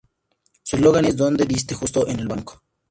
Su eslogan es "Donde diste justo en el banco".